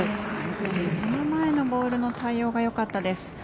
そしてその前のボールの対応がよかったです。